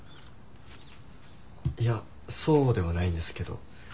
いやそうではないんですけど。